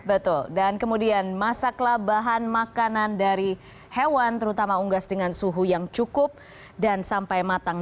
betul dan kemudian masaklah bahan makanan dari hewan terutama unggas dengan suhu yang cukup dan sampai matang